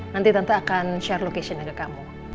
nanti tante akan share locationnya ke kamu